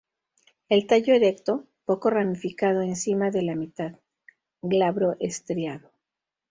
El tallo erecto, poco ramificado encima de la mitad, glabro estriado.